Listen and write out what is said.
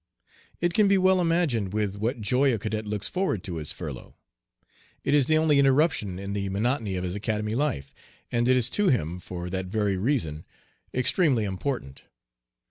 It can be well imagined with what joy a cadet looks forward to his furlough. It is the only interruption in the monotony of his Academy life, and it is to him for that very reason extremely important.